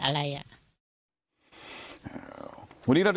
อะไรผมก็ไม่รู้นะ